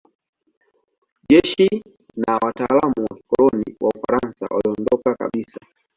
Jeshi na watawala wa kikoloni wa Ufaransa waliondoka kabisa.